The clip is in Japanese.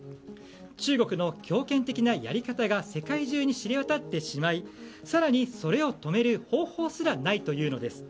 中国の強権的なやり方が世界中に知れ渡ってしまい更に、それを止める方法すらないというのです。